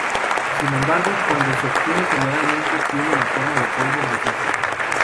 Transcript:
Sin embargo, cuando se obtiene generalmente tiene la forma de polvo grisáceo.